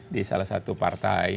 di salah satu partai